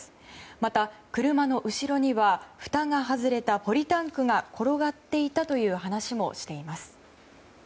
また、車の後ろにはふたが外れたポリタンクが転がっていたという話もしています。